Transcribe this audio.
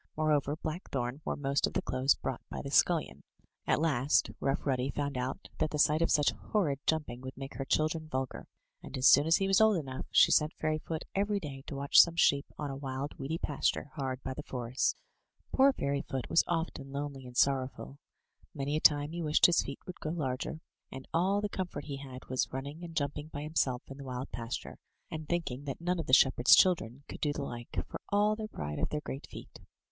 Moreover, Blackthorn wore most of the clothes brought by the scullion. At last. Rough Ruddy found out that the sight of such horrid jumping would make her children vulgar; and, as soon as he was old enough, she sent Fairyfoot every day to watch some sheep on a wild, weedy pasture, hard by the forest. Poor Fairyfoot was often lonely and sorrowful; many a time he wished his feet would grow larger, and all the comfort he 14 THROUGH FAIRY HALLS had was running and jumping by himself in the wild pasture, and thinking that none of the shepherds' children could do the like, for all their pride of their great feet.